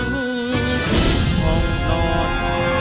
มองนอนมอง